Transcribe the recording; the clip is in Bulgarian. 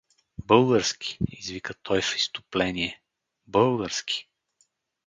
— Български! — извика той в изступление, — български!